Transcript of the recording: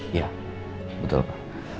iya betul pak